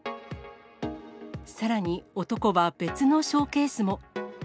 さらに男は別のショーケースも。